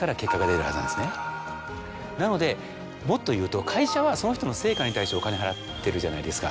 なのでもっと言うと会社はその人の成果に対してお金払ってるじゃないですか。